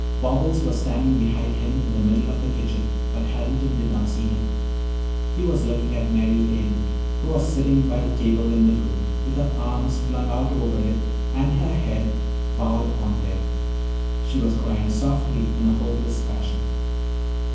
Bobbles was standing behind him in the middle of the kitchen but Harrington did not see him. He was looking at Mary Hayden, who was sitting by the table in the room with her arms flung out over it and her head bowed on them. She was crying softly in a hopeless fashion.